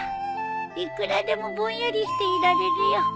いくらでもぼんやりしていられるよ。